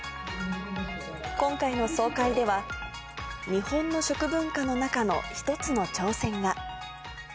今回の総会では、日本の食文化の中の一つの挑戦が。